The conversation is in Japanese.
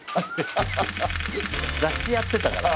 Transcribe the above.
雑誌やってたからさ。